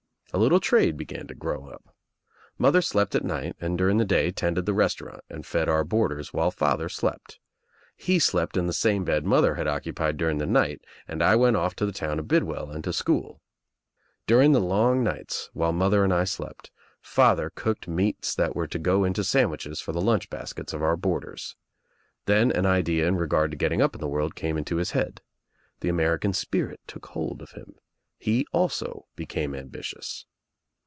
A little trade began to grow up. Mother slept at night and during the day tended the restaurant and fed our boarders while father slept. He slept in the same bed mother had occupied dur ing the night and I went off to the town of Bidwell and to school. During the long nights, while mother and I slept, father cooked meats that were to go into sandwiches for the lurch baskets of our boarders. Then an idea in regard to getting up in the world came into his head. The American spirit took hold of him. He also became ambitious.